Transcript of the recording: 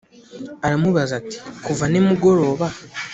aramubaza ati"kuva nimugoroba